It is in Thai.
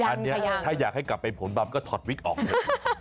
อันนี้ถ้าอยากให้กลับไปผลบำก็ถอดวิกออกเถอะ